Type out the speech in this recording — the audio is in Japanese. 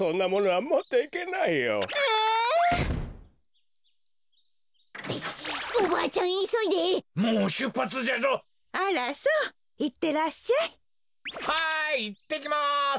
はいいってきます。